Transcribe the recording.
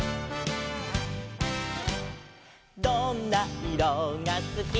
「どんないろがすき」「」